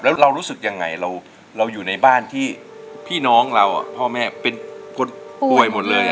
แล้วเรารู้สึกยังไงเราอยู่ในบ้านที่พี่น้องเราพ่อแม่เป็นคนป่วยหมดเลย